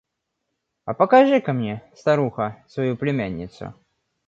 – «А покажи-ка мне, старуха, свою племянницу».